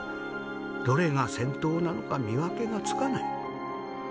どれが先頭なのか見分けがつかない。